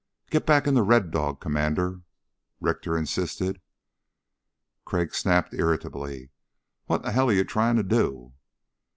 "Get back into Red Dog, Commander," Richter insisted. Crag snapped irritably: "What the hell are you trying to do."